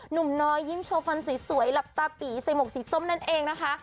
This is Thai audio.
หนุ่มน้อยยิ้มโชฟันสวยหลับตาปีใส่หมวกสีส้มนั่นเองนะคะ